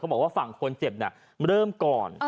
บอกว่าฝั่งคนเจ็บเริ่มก่อน